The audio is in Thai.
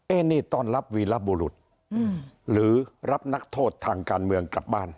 นี่ต้อนรับวีรบุรุษหรือรับนักโทษทางการเมืองกลับบ้าน